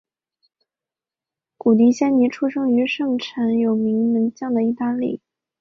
古迪仙尼出生于盛产有名门将的意大利。